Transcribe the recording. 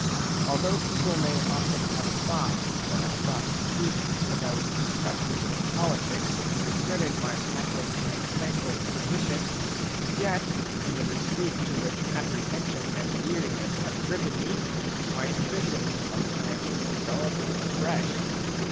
Although people may often have thought that I sought seclusion because I was disgusted with politics and regretted my hapless and thankless position, a yet, in the retreat to which apprehension and weariness have driven me, my ambition sometimes develops afresh.